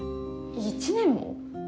１年も！？